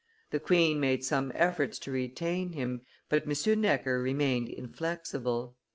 The queen made some efforts to retain him, but M. Necker remained inflexible.